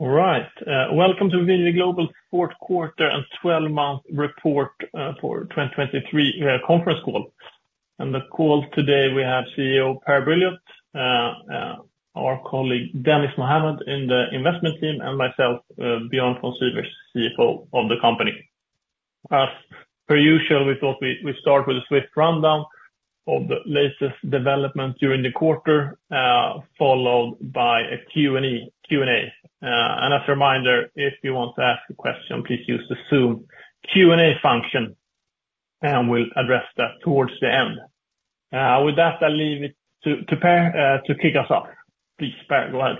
All right, welcome to VNV Global Q4 and 12-month report for 2023 conference call. On the call today, we have CEO Per Brilioth, our colleague Dennis Mohammad in the investment team, and myself, Björn von Sivers, CFO of the company. As per usual, we thought we start with a swift rundown of the latest development during the quarter, followed by a Q&A. And as a reminder, if you want to ask a question, please use the Zoom Q&A function, and we'll address that towards the end. With that, I leave it to Per to kick us off. Please, Per, go ahead.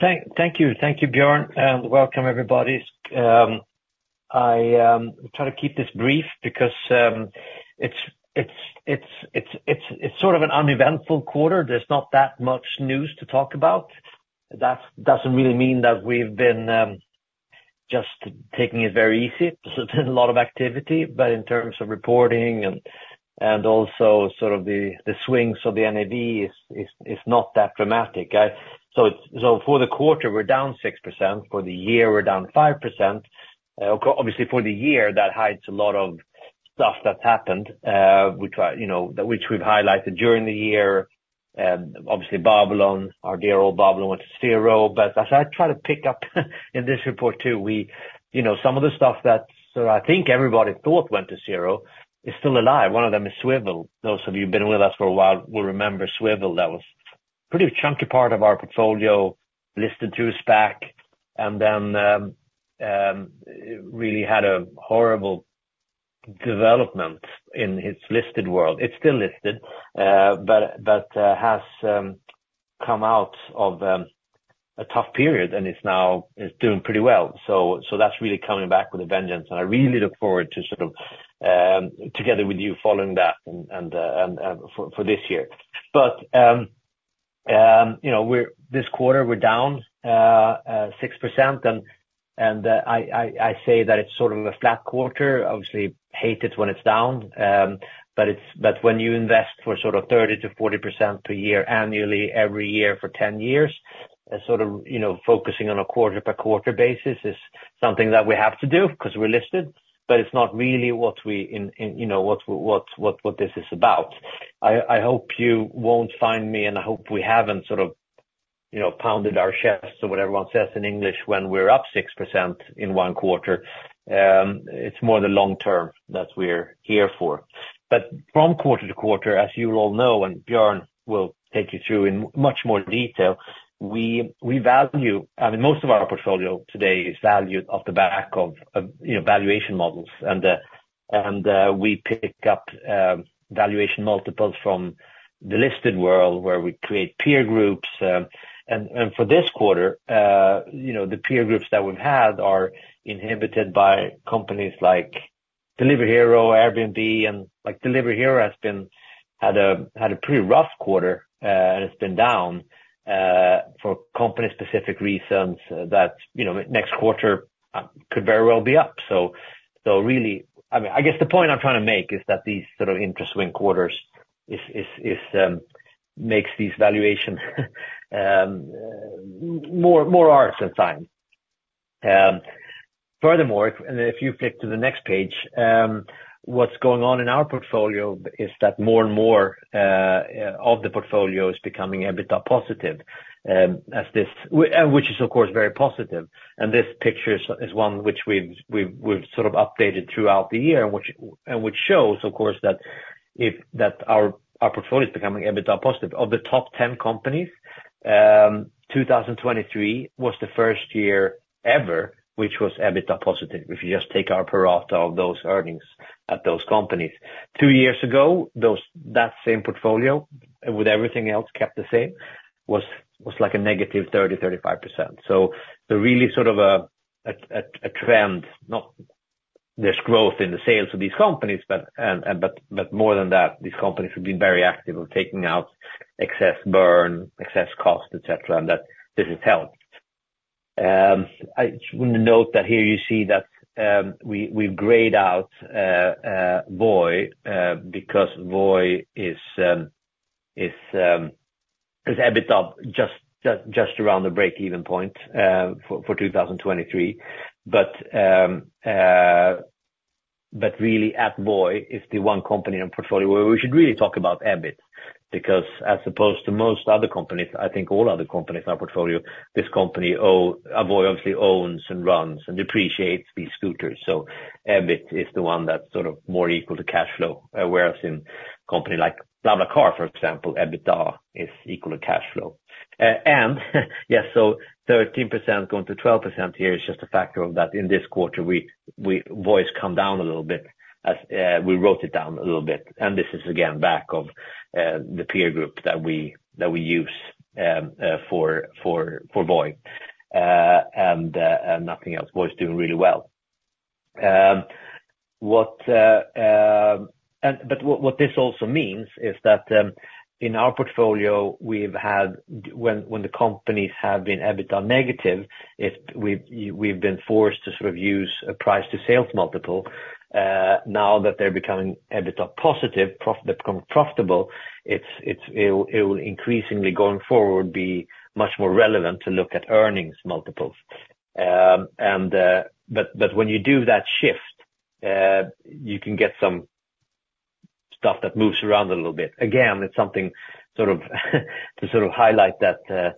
Thank you. Thank you, Björn, and welcome everybody. I try to keep this brief because it's sort of an uneventful quarter. There's not that much news to talk about. That doesn't really mean that we've been just taking it very easy. So there's a lot of activity, but in terms of reporting and also sort of the swings of the NAV is not that dramatic. For the quarter, we're down 6%, for the year, we're down 5%. Obviously, for the year, that hides a lot of stuff that's happened, which I, you know, which we've highlighted during the year. Obviously, Babylon, our dear old Babylon went to zero. But as I try to pick up in this report, too, you know, some of the stuff that sort of I think everybody thought went to zero is still alive. One of them is Swvl. Those of you who've been with us for a while will remember Swvl. That was pretty chunky part of our portfolio, listed through SPAC, and then really had a horrible development in its listed world. It's still listed, but has come out of a tough period, and it's now doing pretty well. So that's really coming back with a vengeance, and I really look forward to sort of together with you following that and for this year. But, you know, this quarter, we're down 6%, and I say that it's sort of a flat quarter. Obviously, hate it when it's down, but when you invest for sort of 30%-40% per year, annually, every year for 10 years, sort of, you know, focusing on a quarter-by-quarter basis is something that we have to do because we're listed, but it's not really what we, in, you know, what this is about. I hope you won't find me, and I hope we haven't sort of, you know, pounded our chests or what everyone says in English when we're up 6% in one quarter. It's more the long term that we're here for. But from quarter to quarter, as you all know, and Björn will take you through in much more detail, we value. I mean, most of our portfolio today is valued off the back of, you know, valuation models, and we pick up valuation multiples from the listed world, where we create peer groups. And for this quarter, you know, the peer groups that we've had are inhibited by companies like Delivery Hero, Airbnb, and like, Delivery Hero has had a pretty rough quarter, and it's been down for company-specific reasons, that you know, next quarter could very well be up. So really, I mean, I guess the point I'm trying to make is that these sort of interest swing quarters is makes these valuation more arts than science. Furthermore, if you flip to the next page, what's going on in our portfolio is that more and more of the portfolio is becoming EBITDA positive, which is, of course, very positive. This picture is one which we've sort of updated throughout the year, and which shows, of course, that our portfolio is becoming EBITDA positive. Of the top 10 companies, 2023 was the first year ever, which was EBITDA positive, if you just take our pro rata of those earnings at those companies. Two years ago, that same portfolio, with everything else kept the same, was like a negative 30-35%. So really sort of a trend, not just growth in the sales of these companies, but more than that, these companies have been very active of taking out excess burn, excess cost, et cetera, and that this has helped. I just wanna note that here you see that, we've grayed out Voi, because Voi is EBITDA just around the break-even point, for 2023. But really, at Voi is the one company and portfolio where we should really talk about EBIT, because as opposed to most other companies, I think all other companies in our portfolio, this company, Voi obviously owns and runs and depreciates these scooters. So EBIT is the one that's sort of more equal to cash flow, whereas in company like BlaBlaCar, for example, EBITDA is equal to cash flow. And, yes, so 13% going to 12% here is just a factor of that. In this quarter, Voi has come down a little bit, as we wrote it down a little bit. And this is again, back of the peer group that we use for Voi, and nothing else. Voi is doing really well. But what this also means is that, in our portfolio, we've had—when the companies have been EBITDA negative, if we've been forced to sort of use a price to sales multiple. Now that they're becoming EBITDA positive, they've become profitable, it will increasingly, going forward, be much more relevant to look at earnings multiples. But when you do that shift, you can get some stuff that moves around a little bit. Again, it's something to highlight that,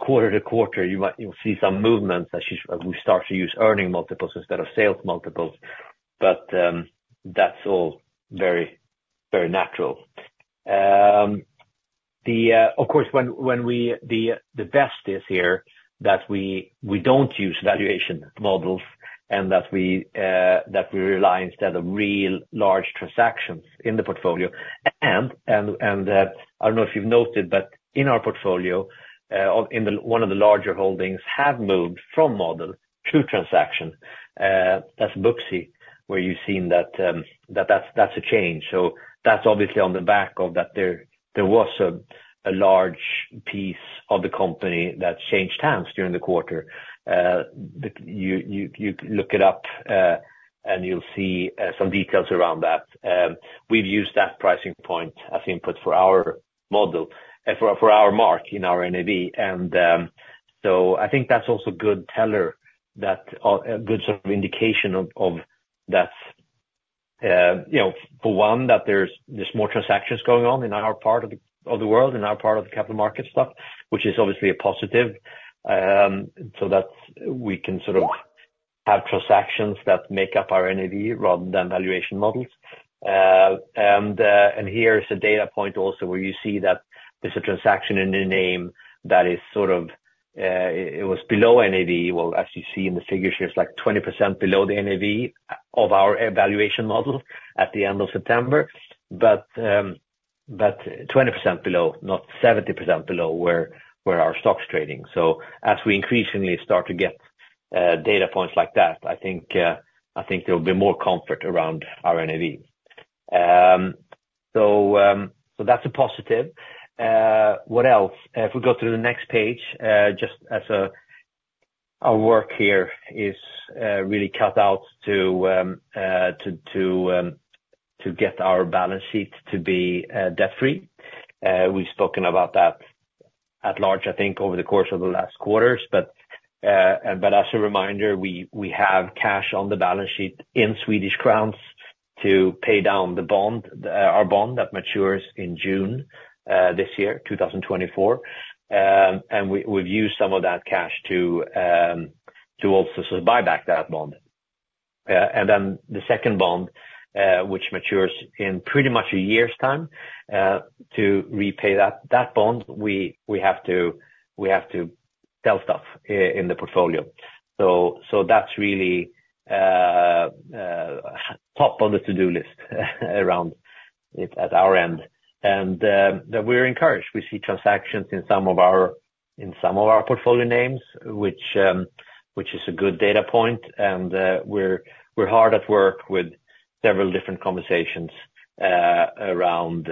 quarter to quarter, you might see some movements as we start to use earnings multiples instead of sales multiples. But that's all very, very natural. Of course, the best is here, that we don't use valuation models, and that we rely instead on real large transactions in the portfolio. I don't know if you've noted, but in our portfolio, one of the larger holdings have moved from model to transaction. That's Booksy, where you've seen that. That's a change. So that's obviously on the back of that there was a large piece of the company that changed hands during the quarter. You look it up, and you'll see some details around that. We've used that pricing point as input for our model for our mark in our NAV. So I think that's also a good tailwind, that a good sort of indication of that, you know, for one, that there's more transactions going on in our part of the world, in our part of the capital markets stuff, which is obviously a positive. So that's, we can sort of have transactions that make up our NAV rather than valuation models. And here is a data point also, where you see that there's a transaction in the name that is sort of, it, it was below NAV. Well, as you see in the figure, here, it's like 20% below the NAV of our valuation model at the end of September. But, but 20% below, not 70% below, where our stock's trading. So as we increasingly start to get data points like that, I think, I think there'll be more comfort around our NAV. So that's a positive. What else? If we go to the next page, just as our work here is really cut out to get our balance sheet to be debt-free. We've spoken about that at large, I think, over the course of the last quarters, but as a reminder, we have cash on the balance sheet in Swedish kronor to pay down the bond, our bond that matures in June this year, 2024. And we've used some of that cash to also buy back that bond. And then the second bond, which matures in pretty much a year's time, to repay that bond, we have to sell stuff in the portfolio. So that's really top on the to-do list around it at our end. And that we're encouraged. We see transactions in some of our portfolio names, which is a good data point, and we're hard at work with several different conversations around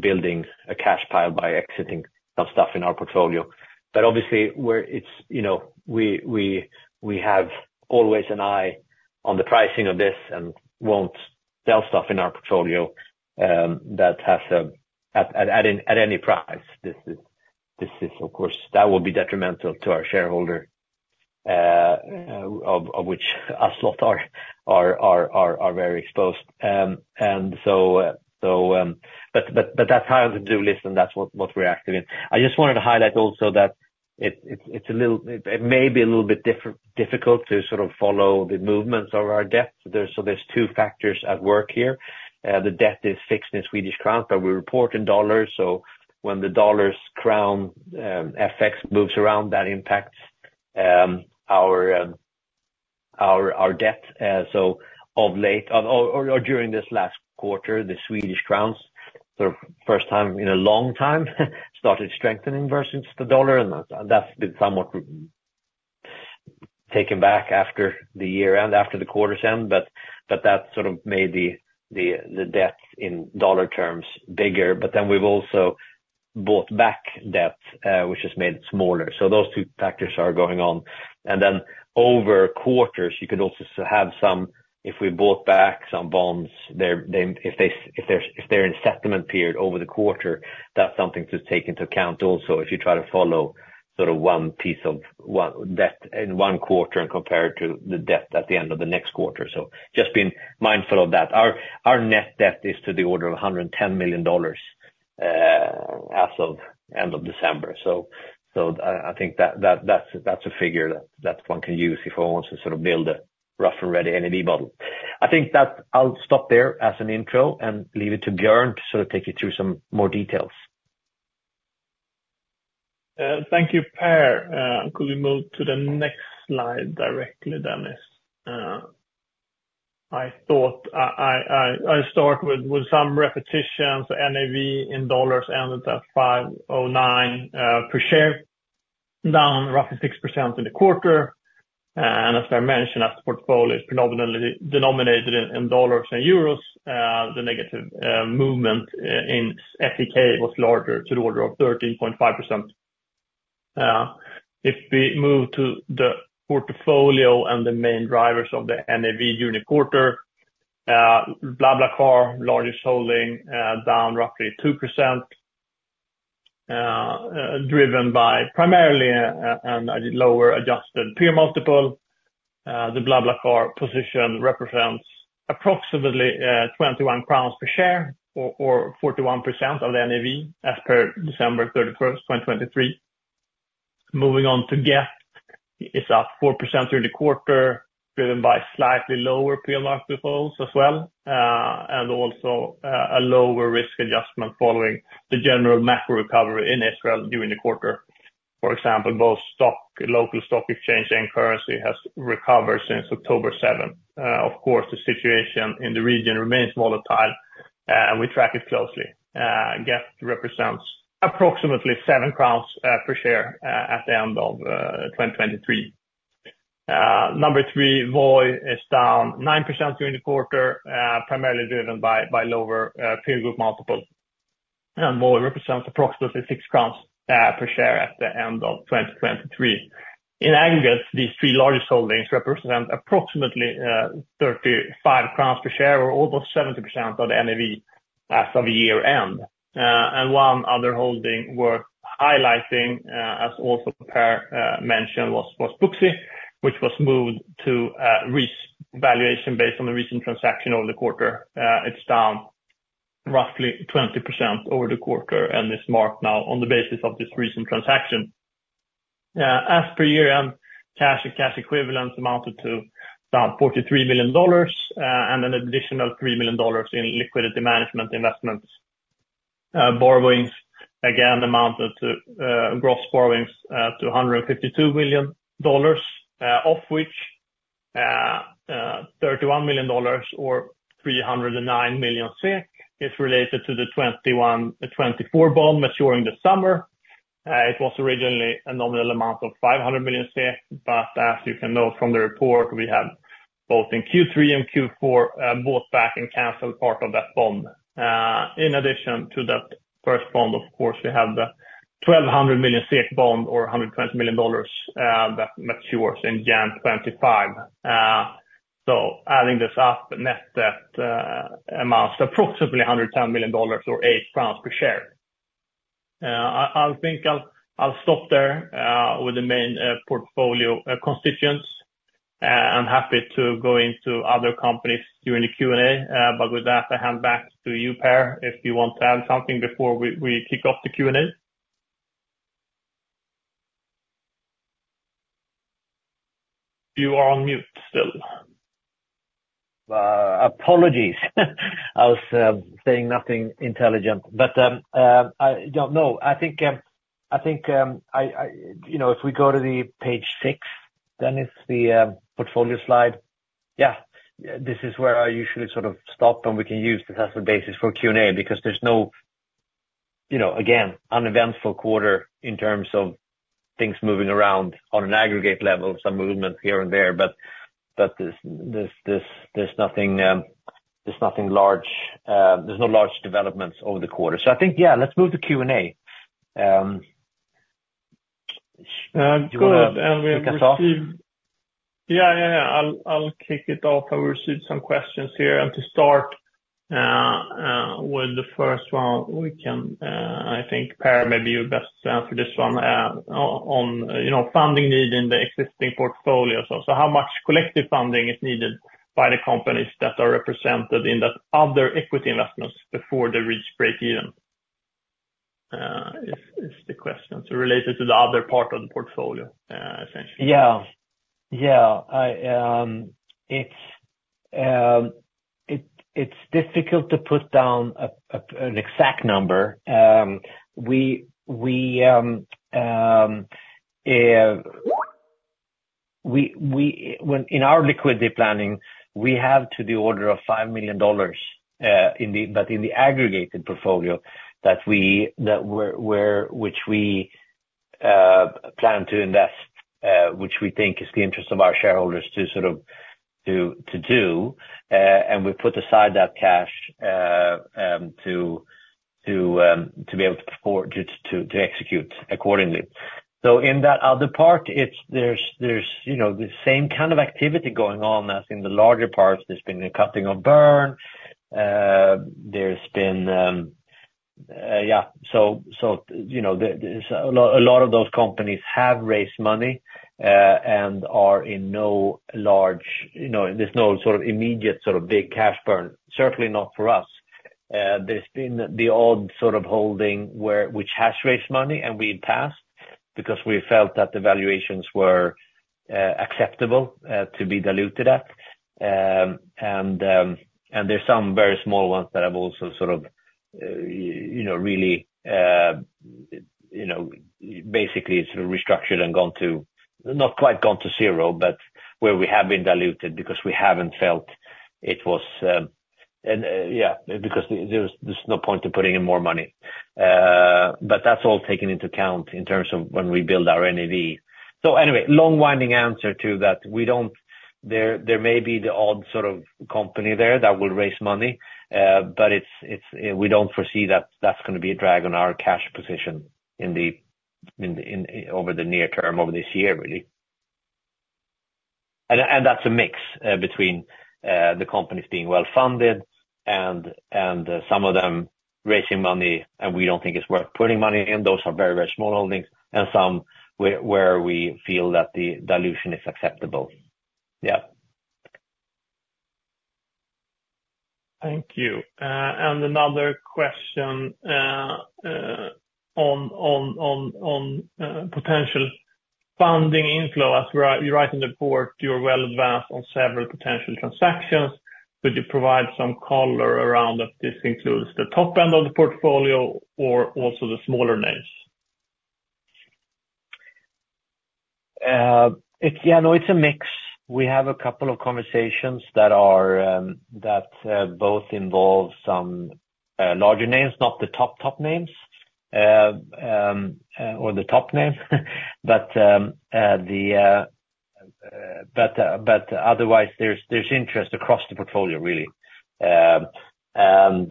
building a cash pile by exiting some stuff in our portfolio. But obviously, we're, it's, you know, we have always an eye on the pricing of this and won't sell stuff in our portfolio that has at any price. This is, of course, that will be detrimental to our shareholder, of which us lot are very exposed. But that's high on the to-do list, and that's what we're active in. I just wanted to highlight also that it's a little difficult to sort of follow the movements of our debt. There's two factors at work here. The debt is fixed in Swedish krona, but we report in dollars, so when the dollar krona FX moves around, that impacts our debt. So of late, or during this last quarter, the Swedish krona, for the first time in a long time, started strengthening versus the US dollar, and that's been somewhat taken back after the year end, after the quarter's end, but that sort of made the debt in dollar terms bigger. But then we've also bought back debt, which has made it smaller. So those two factors are going on. And then over quarters, you could also have some. If we bought back some bonds, if they're in settlement period over the quarter, that's something to take into account also, if you try to follow sort of one piece of debt in one quarter and compare it to the debt at the end of the next quarter. So just being mindful of that. Our net debt is to the order of $110 million, as of end of December. So I think that that's a figure that one can use if one wants to sort of build a rough and ready NAV model. I think that I'll stop there as an intro and leave it to Björn to sort of take you through some more details. Thank you, Per. Could we move to the next slide directly, Dennis? I thought I start with some repetitions. NAV in dollars ended at $509 per share, down roughly 6% in the quarter. And as I mentioned, as the portfolio is predominantly denominated in dollars and euros, the negative movement in SEK was larger to the order of 13.5%. If we move to the portfolio and the main drivers of the NAV unit quarter, BlaBlaCar, largest holding, down roughly 2%, driven by primarily a lower adjusted peer multiple. The BlaBlaCar position represents approximately 21 crowns per share or 41% of the NAV as per December 31, 2023. Moving on to Gett, it's up 4% through the quarter, driven by slightly lower peer multiples as well, and also a lower risk adjustment following the general macro recovery in Israel during the quarter. For example, both stock, local stock exchange and currency has recovered since October 7. Of course, the situation in the region remains volatile, and we track it closely. Gett represents approximately 7 crowns per share at the end of 2023. Number 3, Voi, is down 9% during the quarter, primarily driven by lower peer group multiples. Voi represents approximately 6 crowns per share at the end of 2023. In aggregate, these three largest holdings represent approximately 35 crowns per share or almost 70% of the NAV as of year-end. And one other holding worth highlighting, as also Per mentioned was Booksy, which was moved to risk valuation based on the recent transaction over the quarter. It's down roughly 20% over the quarter, and is marked now on the basis of this recent transaction. As per year-end, cash and cash equivalents amounted to about $43 million, and an additional $3 million in liquidity management investments. Borrowings, again, amounted to gross borrowings to $152 million, of which $31 million or 309 million SEK is related to the 2021-2024 bond maturing this summer. It was originally a nominal amount of 500 million, but as you can know from the report, we had both in Q3 and Q4, bought back and canceled part of that bond. In addition to that first bond, of course, we have the 1,200 million SEK bond or $120 million, that matures in January 2025. So adding this up, the net debt amounts to approximately $110 million or 8 SEK per share. I, I think I'll, I'll stop there, with the main, portfolio, constituents. I'm happy to go into other companies during the Q&A, but with that, I hand back to you, Per, if you want to add something before we, we kick off the Q&A. You are on mute still. Apologies. I was saying nothing intelligent, but I don't know. I think you know, if we go to page 6, then it's the portfolio slide. Yeah, this is where I usually sort of stop, and we can use this as a basis for Q&A, because there's no, you know, again uneventful quarter in terms of things moving around on an aggregate level, some movement here and there, but there's nothing, there's nothing large, there's no large developments over the quarter. So I think, yeah, let's move to Q&A. You wanna kick us off? Yeah, yeah, yeah. I'll kick it off. I've received some questions here, and to start with the first one, we can, I think, Per, maybe you best answer this one on you know, funding need in the existing portfolio. So how much collective funding is needed by the companies that are represented in that other equity investments before they reach break even? Is the question, so related to the other part of the portfolio, essentially. Yeah. Yeah. It's difficult to put down an exact number. When in our liquidity planning, we have to the order of $5 million in the aggregated portfolio that we're which we plan to invest, which we think is the interest of our shareholders to sort of do. And we put aside that cash to be able to perform, to execute accordingly. So in that other part, it's there's you know, the same kind of activity going on as in the larger parts. There's been a cutting on burn. There's been, yeah, so, you know, there's a lot of those companies have raised money, and are in no large. You know, there's no sort of immediate, sort of big cash burn, certainly not for us. There's been the odd sort of holding where, which has raised money, and we passed, because we felt that the valuations were acceptable to be diluted at. And there's some very small ones that have also sort of, you know, really, you know, basically sort of restructured and gone to, not quite gone to zero, but where we have been diluted, because we haven't felt it was. And yeah, because there's no point in putting in more money. But that's all taken into account in terms of when we build our NAV. So anyway, long-winded answer to that, we don't. There may be the odd sort of company there that will raise money, but it's, we don't foresee that that's gonna be a drag on our cash position over the near term, over this year, really. And that's a mix between the companies being well-funded and some of them raising money, and we don't think it's worth putting money in. Those are very, very small holdings, and some where we feel that the dilution is acceptable. Yeah. Thank you. Another question on potential funding inflow. As you write in the report, you're well advanced on several potential transactions. Could you provide some color around if this includes the top end of the portfolio or also the smaller names? Yeah, no, it's a mix. We have a couple of conversations that both involve some larger names, not the top, top names, or the top names. But otherwise, there's interest across the portfolio, really. And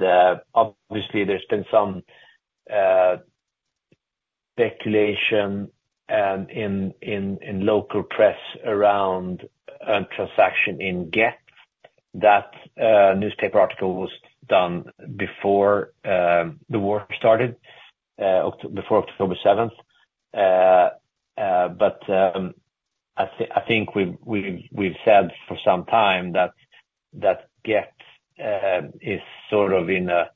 obviously, there's been some speculation in local press around a transaction in Gett. That newspaper article was done before the war started before October seventh. But I think we've said for some time that Gett is sort of in a,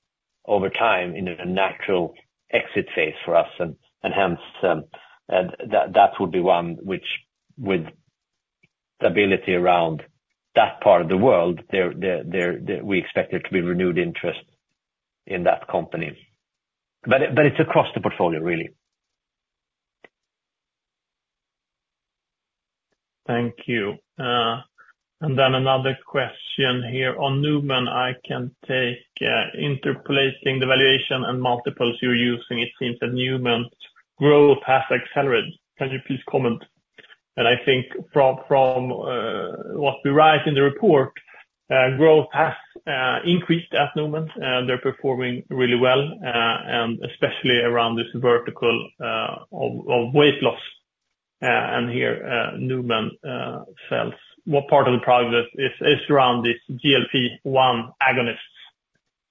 over time, in a natural exit phase for us, and hence, that would be one which with ability around that part of the world, we expect there to be renewed interest in that company. But it's across the portfolio, really. Thank you. And then another question here on Numan. Interpreting the valuation and multiples you're using, it seems that Numan's growth has accelerated. Can you please comment? And I think from what we write in the report, growth has increased at Numan, and they're performing really well, and especially around this vertical of weight loss. And here, Numan sells. What part of the product is around this GLP-1 agonists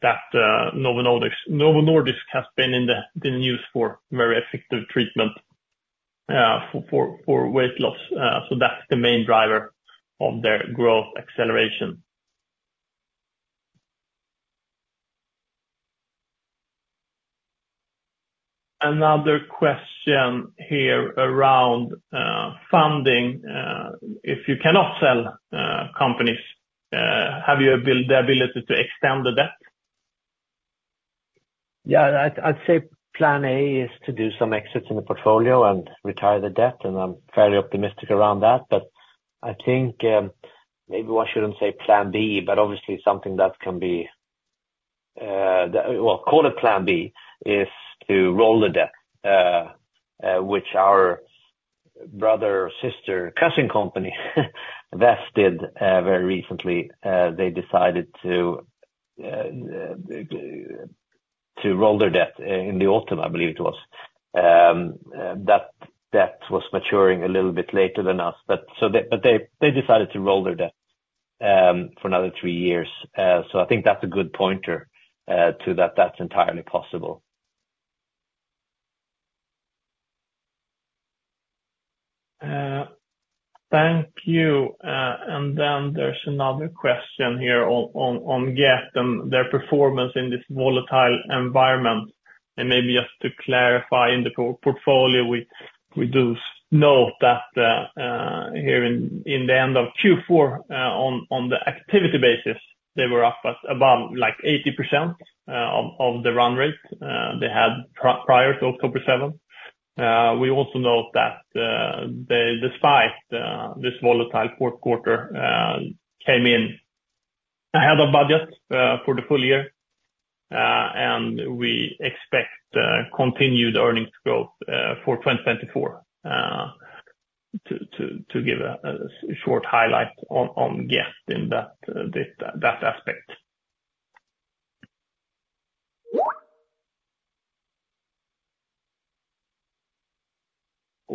that Novo Nordisk. Novo Nordisk has been in the news for very effective treatment for weight loss. So that's the main driver of their growth acceleration. Another question here around funding. If you cannot sell companies, have you built the ability to extend the debt? Yeah, I'd, I'd say plan A is to do some exits in the portfolio and retire the debt, and I'm fairly optimistic around that. But I think, maybe one shouldn't say plan B, but obviously something that can be, well, call it plan B, is to roll the debt, which our brother, sister, cousin company, VEF, very recently, they decided to to roll their debt in the autumn, I believe it was. That debt was maturing a little bit later than us, but so they but they, they decided to roll their debt, for another three years. So I think that's a good pointer, to that. That's entirely possible. Thank you. And then there's another question here on Gett and their performance in this volatile environment. And maybe just to clarify, in the portfolio, we do note that here in the end of Q4, on the activity basis, they were up at about, like, 80% of the run rate they had prior to October seventh. We also note that despite this volatile Q4, came in ahead of budget for the full year. And we expect continued earnings growth for 2024 to give a short highlight on Gett in that aspect.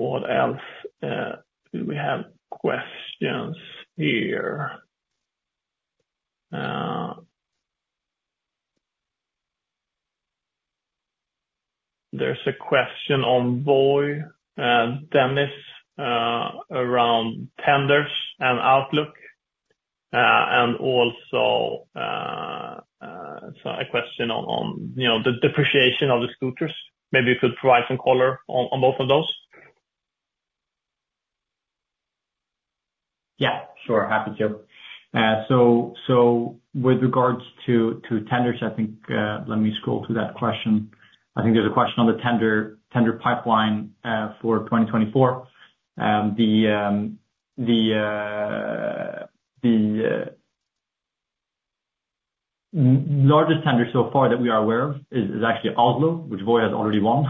What else do we have questions here? There's a question on Voi, Dennis, around tenders and outlook, and also, so a question on, you know, the depreciation of the scooters. Maybe you could provide some color on both of those. Yeah, sure. Happy to. So with regards to tenders, I think, let me scroll to that question. I think there's a question on the tender pipeline for 2024. The largest tender so far that we are aware of is actually Oslo, which Voi has already won.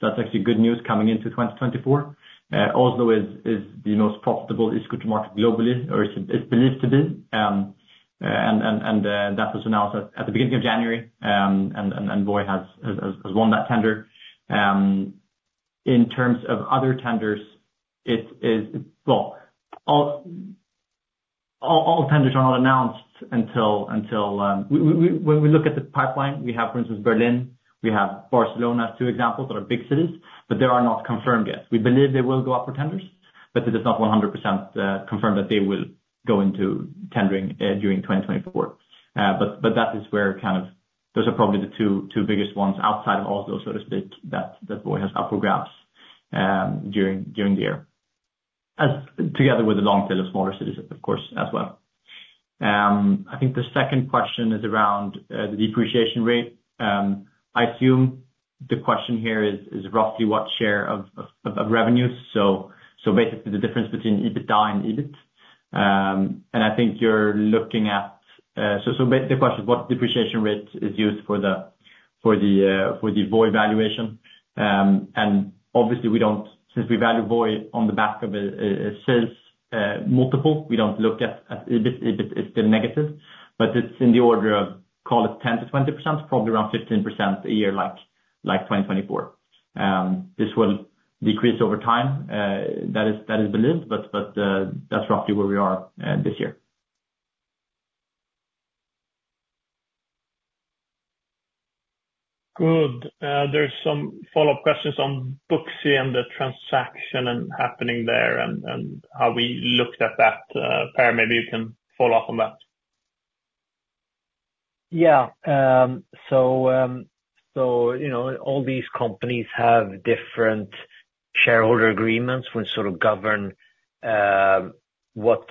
So that's actually good news coming into 2024. Oslo is the most profitable e-scooter market globally, or is believed to be. And that was announced at the beginning of January. And Voi has won that tender. In terms of other tenders, all tenders are not announced until when we look at the pipeline, we have, for instance, Berlin, we have Barcelona, as two examples, that are big cities, but they are not confirmed yet. We believe they will go up for tenders, but it is not 100% confirmed that they will go into tendering during 2024. But that is where, kind of, those are probably the two biggest ones outside of Oslo, so to speak, that Voi has up for grabs during the year. As together with a long tail of smaller cities, of course, as well. I think the second question is around the depreciation rate. I assume the question here is roughly what share of revenues, so basically the difference between EBITDA and EBIT. And I think you're looking at... So the question, what depreciation rate is used for the Voi valuation? And obviously, we don't- since we value Voi on the back of a sales multiple, we don't look at EBIT. EBIT is still negative, but it's in the order of, call it 10%-20%, probably around 15% a year, like, like 2024. This will decrease over time, that is believed, but that's roughly where we are, this year. Good. There's some follow-up questions on Booksy and the transaction, and happening there, and, and how we looked at that. Per, maybe you can follow up on that. Yeah. So, you know, all these companies have different shareholder agreements, which sort of govern what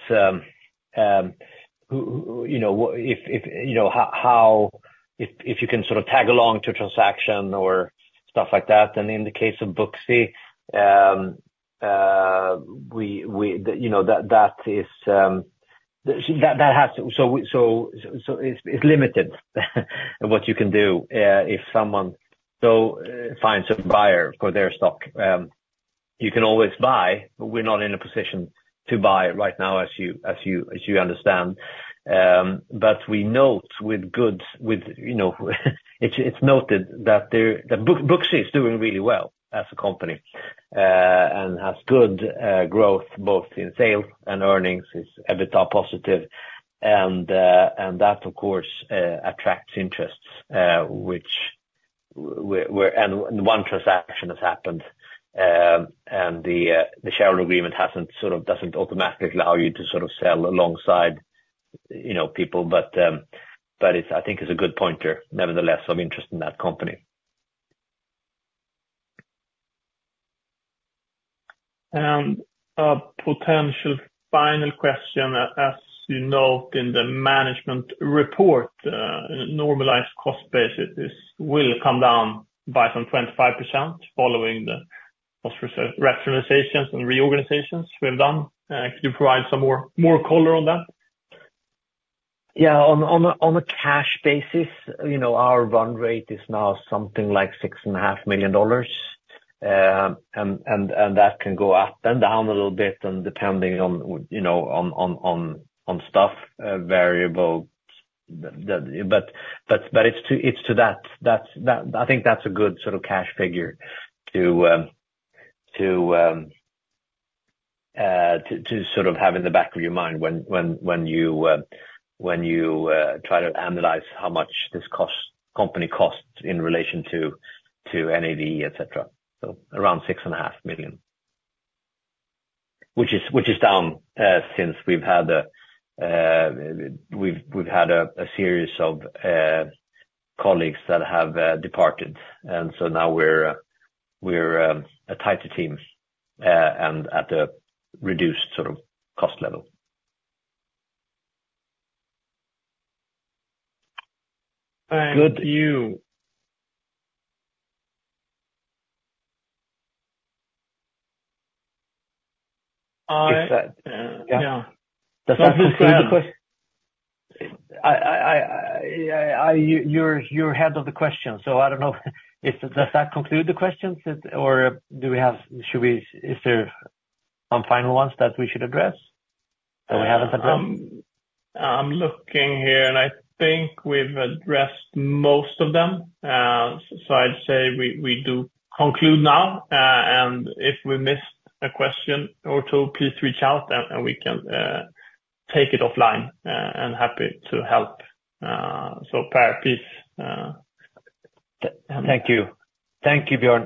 who you know if you know how if you can sort of tag along to a transaction or stuff like that. And in the case of Booksy, we you know that is that it's limited, what you can do if someone finds a buyer for their stock. You can always buy, but we're not in a position to buy right now, as you understand. But we note with good you know it's noted that Booksy is doing really well as a company, and has good growth, both in sales and earnings. It's EBITDA positive, and that, of course, attracts interest. And one transaction has happened, and the shareholder agreement hasn't sort of doesn't automatically allow you to sort of sell alongside, you know, people. But but it's, I think it's a good pointer, nevertheless, of interest in that company. Potential final question, as you note in the management report, normalized cost basis is, will come down by some 25%, following the cost rationalizations and reorganizations we've done. Could you provide some more color on that? Yeah. On a cash basis, you know, our run rate is now something like $6.5 million. And that can go up and down a little bit, and depending on, you know, on stuff, variable. But it's to that, that's, that, I think that's a good sort of cash figure to sort of have in the back of your mind when you try to analyze how much this company costs in relation to NAV, et cetera. So around $6.5 million. Which is down since we've had a series of colleagues that have departed. And so now we're a tighter team, and at a reduced sort of cost level. Thank you. Good- I- Yeah. Yeah. Does that conclude the que- You're ahead of the question, so I don't know. Does that conclude the questions, or do we have...? Is there some final ones that we should address that we haven't addressed? I'm looking here, and I think we've addressed most of them. So I'd say we do conclude now, and if we missed a question or two, please reach out, and we can take it offline, and happy to help. So Per, please, Thank you. Thank you, Björn.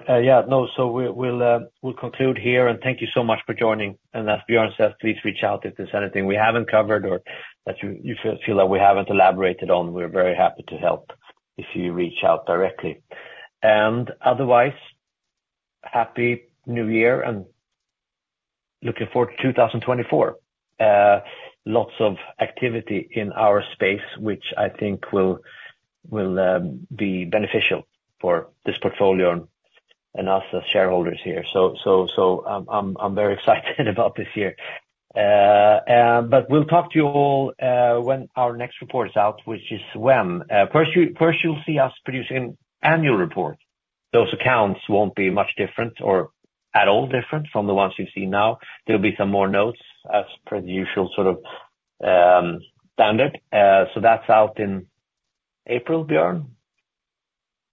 We'll conclude here, and thank you so much for joining in. And as Björn said, please reach out if there's anything we haven't covered or that you feel that we haven't elaborated on. We're very happy to help, if you reach out directly. And otherwise, happy New Year, and looking forward to 2024. Lots of activity in our space, which I think will be beneficial for this portfolio and us as shareholders here. So, I'm very excited about this year. But we'll talk to you all when our next report is out, which is when? First you'll see us producing annual report. Those accounts won't be much different or at all different from the ones you see now. There'll be some more notes, as per the usual sort of, standard. That's out in April, Björn?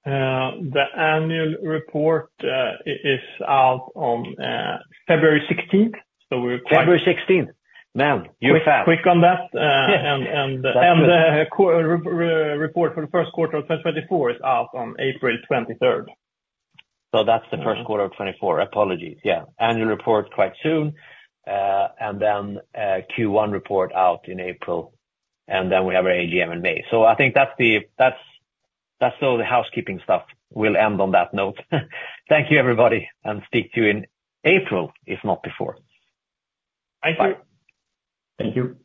The annual report is out on February sixteenth. So we're- February sixteenth. Man, you're fast. Quick on that. Yeah. And, and, uh- That's it. The quarterly report for the Q1 of 2024 is out on April 23. So that's the Q1 of 2024. Apologies. Yeah. Annual report quite soon, and then, Q1 report out in April, and then we have our AGM in May. So I think that's the... That's all the housekeeping stuff. We'll end on that note. Thank you, everybody, and speak to you in April, if not before. Thank you. Bye. Thank you.